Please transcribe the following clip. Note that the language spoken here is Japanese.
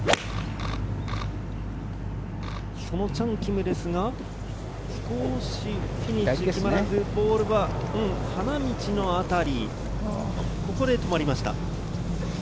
そのチャン・キムですが、少しフィニッシュが決まらず、ボールは花道の当たり、ここで止まりました。